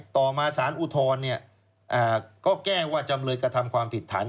ต่อมาสารอุทธรณ์ก็แจ้งว่าจำเลยกระทำความผิดฐาน